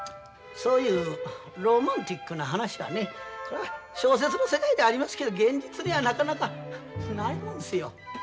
そういうロマンチックな話はね小説の世界ではありますけど現実にはなかなかないもんですよ。